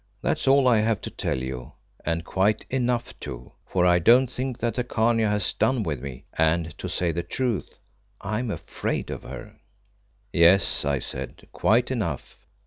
That's all I have to tell you, and quite enough too, for I don't think that the Khania has done with me, and, to say the truth, I am afraid of her." "Yes," I said, "quite enough.